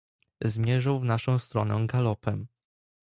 "Zmierzał w naszą stronę galopem."